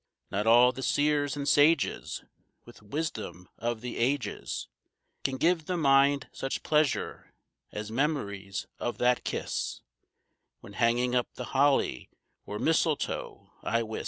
Not all the seers and sages With wisdom of the ages Can give the mind such pleasure as memories of that kiss When hanging up the holly or mistletoe, I wis.